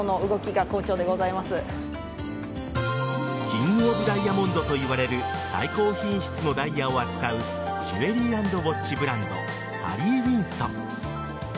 キング・オブ・ダイヤモンドといわれる最高品質のダイヤを扱うジュエリー＆ウォッチブランドハリー・ウィンストン。